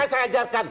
maka saya ajarkan